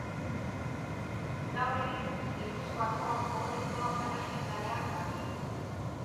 Gaur egun Gipuzkoako Ohorezko Erregionalean dabil.